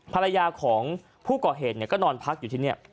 ภรรยาของผู้ก่อเหตุก็นอนพักอยู่ที่นี่